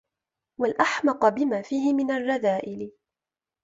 وَالْأَحْمَقَ بِمَا فِيهِ مِنْ الرَّذَائِلِ